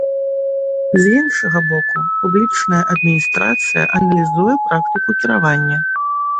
З іншага боку, публічная адміністрацыя аналізуе практыку кіравання.